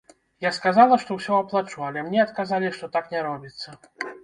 Я сказала, што ўсё аплачу, але мне адказалі, што так не робіцца.